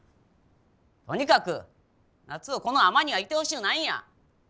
とにかくナツをこの尼にはいてほしゅうないんや。